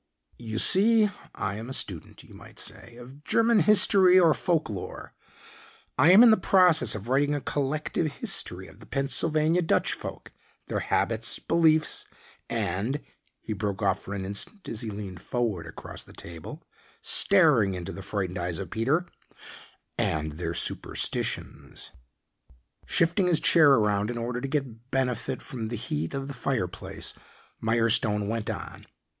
"You see, I am a student, you might say, of German history or folklore. I am in the process of writing a collective history of the Pennsylvania Dutch folk, their habits, beliefs, and " he broke off for an instant as he leaned forward across the table, staring into the frightened eyes of Peter " and their superstitions." Shifting his chair around in order to get benefit from the heat of the fireplace, Mirestone went on.